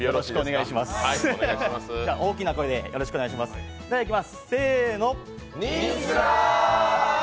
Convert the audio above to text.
では、大きな声でよろしくお願いします、せーの！